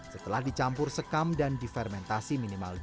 setelah dicampur sekam dan difermentasi minimal dua minit